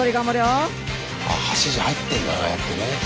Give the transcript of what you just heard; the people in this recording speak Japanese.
指示入ってんだねああやってね。